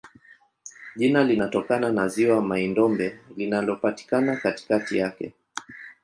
Jina linatokana na ziwa Mai-Ndombe linalopatikana katikati yake.